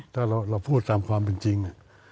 ถ้าเราพูดตามความเป็นจริง